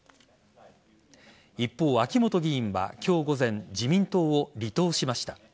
一方、秋本議員は今日午前自民党を離党しました。